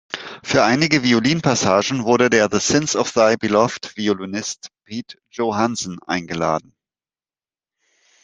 Für einige Violin-Passagen wurde der The Sins of Thy Beloved-Violinist Pete Johansen eingeladen.